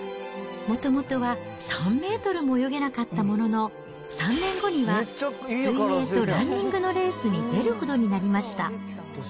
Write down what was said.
もともとは３メートルも泳げなかったものの、３年後には水泳とランニングのレースに出るほどになりました。